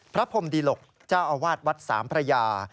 พรมดีหลกเจ้าอาวาสวัดสามพระยา